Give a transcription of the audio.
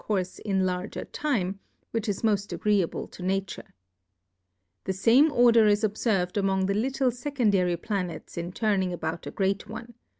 Courfe in a larger Time, which is moft agreeable to Nature : The fame Order is obferv'd among the little fecondary Planets in turning about a great one.